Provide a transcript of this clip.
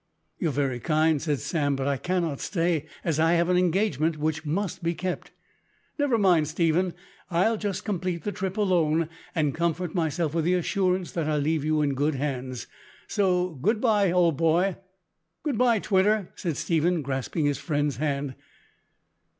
"You are very kind," said Sam, "but I cannot stay, as I have an engagement which must be kept. Never mind, Stephen. I'll just complete the trip alone, and comfort myself with the assurance that I leave you in good hands. So, good bye, old boy." "Good bye, Twitter," said Stephen, grasping his friend's hand.